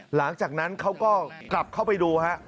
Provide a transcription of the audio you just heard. หลังจากนั้นเขาก็กลับเข้าไปดูฮะ